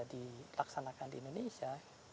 dilaksanakan di indonesia